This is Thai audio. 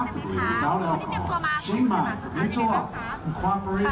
วันนี้เตรียมตัวมาคุณสมัครคุณท้ายได้ไหมครับครับ